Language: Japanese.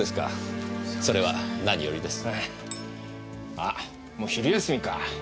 あもう昼休みか。